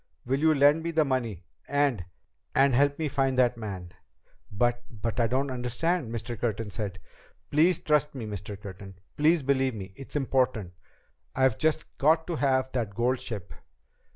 Will you lend me the money and and help me find that man?" "But but I don't understand," Mr. Curtin said. "Please trust me, Mr. Curtin! Please believe me! It's important! I've just got to have that gold ship!"